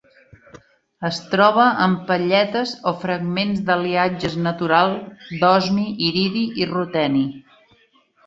Es troba en palletes o fragments d'aliatges naturals d'osmi, iridi i ruteni.